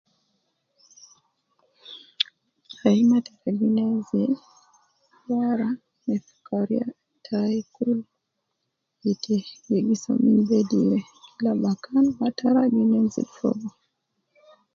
Aii, matara gi nenzil, wara me fi kariya tayi kul, fi te wu lisa min bedir de, kila bakan matara gi nenzil fogo.